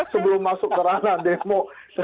sebelum masuk ke ranah demo